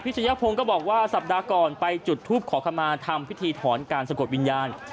พิษชะยะพงฝันก็บอกว่าสัปดาห์ก่อนไปจุฐุคขอเข้ามาทำพิษที่ถอนการซากดวิญญาณ